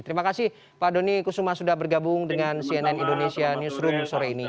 terima kasih pak doni kusuma sudah bergabung dengan cnn indonesia newsroom sore ini